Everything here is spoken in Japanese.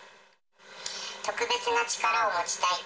特別な力を持ちたい。